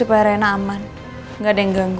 supaya rena aman gak ada yang mengganggu